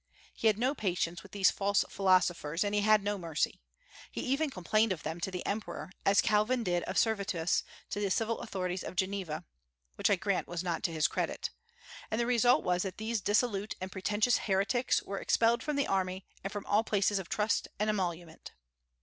He had no patience with these false philosophers, and he had no mercy. He even complained of them to the emperor, as Calvin did of Servetus to the civil authorities of Geneva (which I grant was not to his credit); and the result was that these dissolute and pretentious heretics were expelled from the army and from all places of trust and emolument.